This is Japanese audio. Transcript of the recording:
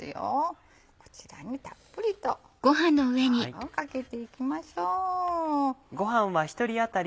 こちらにたっぷりと卵をかけていきましょう。